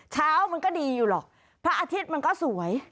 เช้ามันก็ดีอยู่หรอกพระอาทิตย์มันก็สวย